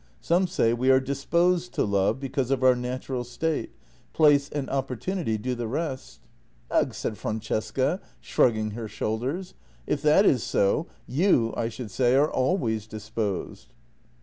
Some say we are dis posed to love — because of our natural state — place and op portunity do the rest." " Ugh! " said Francesca, shrugging her shoulders. " If that is so, you, I should say, are always disposed."